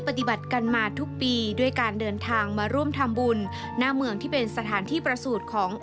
ปฏิบัติกันมาทุกปีด้วยการเดินทางมาร่วมทำบุญหน้าเมืองที่เป็นสถานที่ประสูจน์ของ